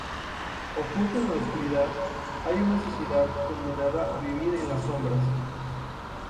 Oculta en la oscuridad hay una sociedad condenada a vivir en las sombras.